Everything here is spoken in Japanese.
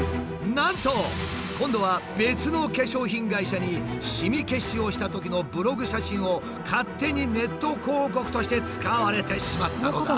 なんと今度は別の化粧品会社にシミ消しをしたときのブログ写真を勝手にネット広告として使われてしまったのだ。